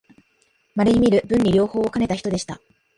まれにみる文理両方をかねた人でした